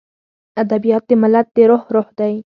ادبیات د ملت د روح روح دی.